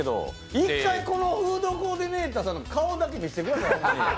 １回、このフードコーディネーターさんの顔だけ見せてください。